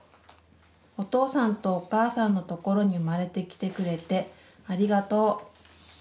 お父さんとお母さんのところに産まれてきてくれてありがとう。